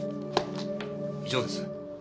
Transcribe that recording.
以上です。